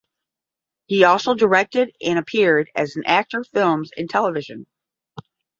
He also directed and appeared as an actor films and television.